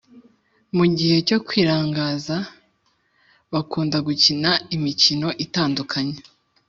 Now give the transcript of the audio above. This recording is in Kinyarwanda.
Mu gihe cyo kwirangaza bakunda gukina imikino itandukanye.